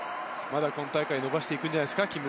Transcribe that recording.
まだ今大会伸ばしていくんじゃないんですか。